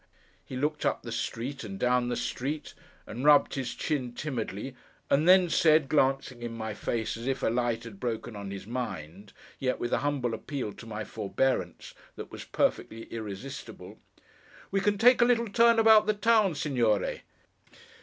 He looked up the street, and down the street, and rubbed his chin timidly; and then said, glancing in my face as if a light had broken on his mind, yet with a humble appeal to my forbearance that was perfectly irresistible: 'We can take a little turn about the town, Signore!